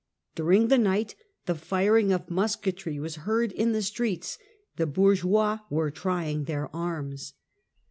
During the night the firing of musketry was heard in the streets; the bourgeois were trying their arms.